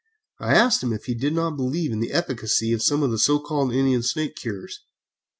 I asked him if he did not believe in the efficacy of some of the so called Indian snake cures.